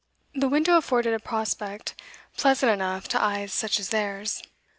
The window afforded a prospect pleasant enough to eyes such as theirs.